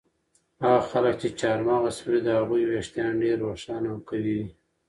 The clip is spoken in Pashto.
هغه خلک چې چهارمغز خوري د هغوی ویښتان ډېر روښانه او قوي وي.